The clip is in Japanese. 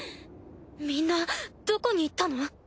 みんなどこに行ったの？